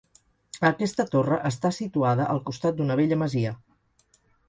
Aquesta torre està situada al costat d'una vella masia.